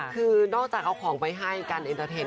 คือนอกจากเอาของไปให้การเอ็นเตอร์เทน